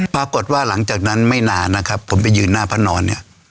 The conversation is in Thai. ปรากฏว่าหลังจากนั้นไม่นานนะครับผมไปยืนหน้าพระนอนเนี่ย